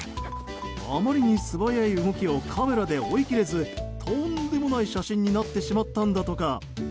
あまりに素早い動きをカメラで追いきれずとんでもない写真になってしまったんだとか。